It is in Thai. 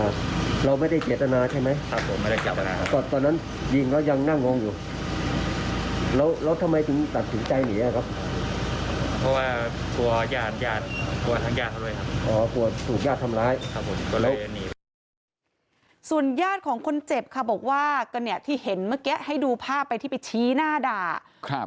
ส่วนญาติของคนเจ็บค่ะบอกว่าก็เนี่ยที่เห็นเมื่อกี้ให้ดูภาพไปที่ไปชี้หน้าด่า